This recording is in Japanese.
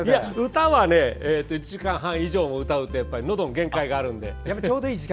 歌は１時間以上歌うと、やっぱりのどの限界があるので。